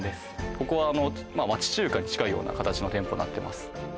ここはあの町中華に近いような形の店舗になってます